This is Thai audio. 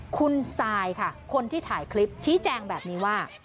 คุณซายค่ะคนที่ถ่ายคลิปชี้แจงแบบนี้ว่า